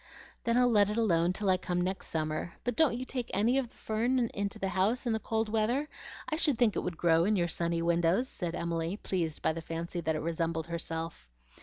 "Then I'll let it alone till I come next summer. But don't you take any of the fern into the house in the cold weather? I should think it would grow in your sunny windows," said Emily, pleased by the fancy that it resembled herself.